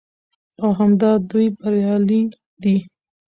او همدا دوى بريالي دي